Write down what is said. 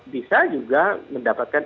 bisa juga mendapatkan